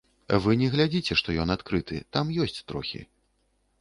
Вы не глядзіце, што ён адкрыты, там ёсць трохі.